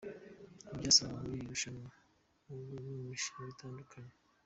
Ibyasabwaga muri iri rushawa mu mishinga itandukanye.